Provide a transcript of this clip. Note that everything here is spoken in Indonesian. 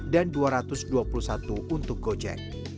dan rp dua ratus dua puluh satu untuk gojek